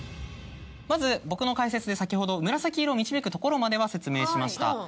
まず僕の解説で先ほど「むらさきいろ」を導くところまでは説明しました。